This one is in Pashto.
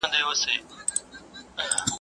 چي لا ګرځې پر دنیا باندي ژوندی یې.